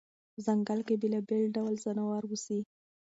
په ځنګل کې بېلابېل ډول ځناور اوسي.